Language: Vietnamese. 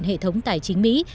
hệ thống tài chính mỹ